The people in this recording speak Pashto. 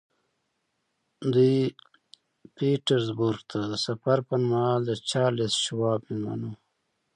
دوی پیټرزبورګ ته د سفر پر مهال د چارلیس شواب مېلمانه وو